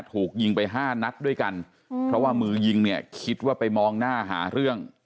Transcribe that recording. ถูกยิงไปห้านัดด้วยกันเพราะว่ามือยิงเนี่ยคิดว่าไปมองหน้าหาเรื่อง